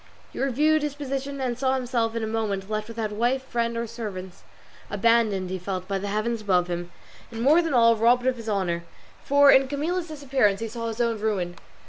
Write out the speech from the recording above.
He reviewed his position, and saw himself in a moment left without wife, friend, or servants, abandoned, he felt, by the heaven above him, and more than all robbed of his honour, for in Camilla's disappearance he saw his own ruin.